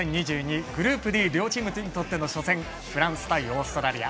グループＤ両チームにとっての初戦フランス対オーストリア。